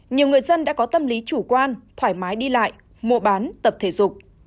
nhiều người dân đã có tâm lý chủ quan thoải mái đi lại mua bán tập thể dục